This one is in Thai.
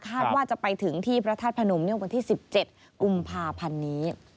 ว่าจะไปถึงที่พระธาตุพนมในวันที่๑๗กุมภาพันธ์นี้